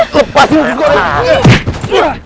lepas ini usus goreng